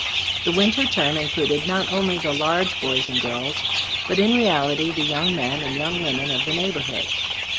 The winter term in cluded not only the large boys and girls, but in reality the young men and young women of the neighbor hood.